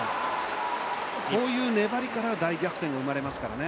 こういう粘りから大逆転が生まれますからね。